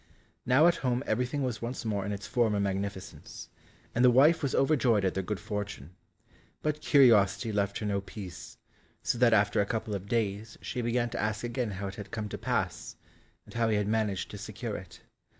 Now at home everything was once more in its former magnificence, and the wife was overjoyed at their good fortune, but curiosity left her no peace, so that after a couple of days she began to ask again how it had come to pass, and how he had managed to secure it.